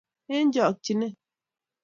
Eng chokchinet